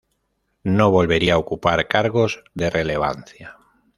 No volvería ocupar cargos de relevancia.